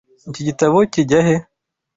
Iki gitabo kijya he?